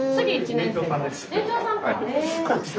年長さんか。